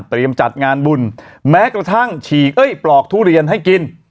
จัดงานบุญแม้กระทั่งฉีกเอ้ยปลอกทุเรียนให้กิน